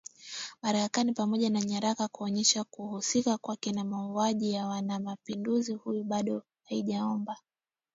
Marekani pamoja na nyaraka kuonyesha kuhusika kwake na mauaji ya mwanamapinduzi huyu bado haijaomba